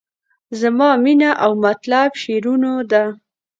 زما مینه او مطلب شیرینو ده.